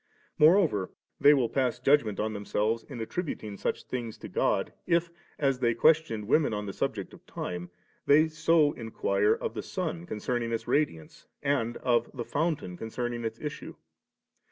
More over, they will pass judgment on themselves in attributing 3 such things to God, if, as they questioned women on the subject of time, so they inquire of the sun concerning its radi ance, and of the fountain concerning its issue.